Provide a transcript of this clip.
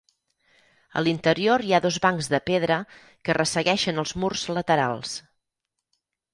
A l’interior hi ha dos bancs de pedra que ressegueixen els murs laterals.